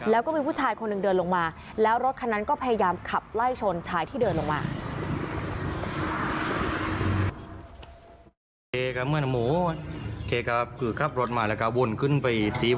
แล้วก็มีผู้ชายคนหนึ่งเดินลงมาแล้วรถคันนั้นก็พยายามขับไล่ชนชายที่เดินลงมา